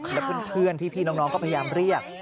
และเพื่อนพี่น้องก็พยายามเรียก